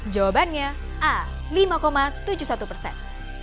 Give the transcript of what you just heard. jawabannya a lima tujuh puluh satu persen